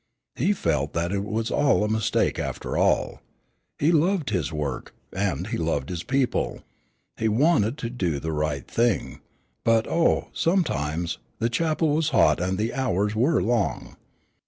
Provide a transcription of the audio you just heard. He felt that it was all a mistake after all. He loved his work, and he loved his people. He wanted to do the right thing, but oh, sometimes, the chapel was hot and the hours were long.